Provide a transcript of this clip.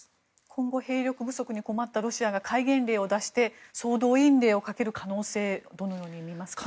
今後、兵力不足に困ったロシアが戒厳令を出して総動員令をかける可能性をどのように見ますか？